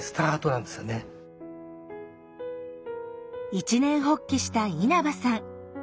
一念発起した稲葉さん。